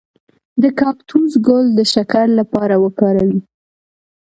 د کاکتوس ګل د شکر لپاره وکاروئ